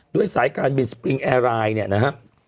ด้วยสายการบินสปริงแอร์ไลน์เนี่ยนะฮะ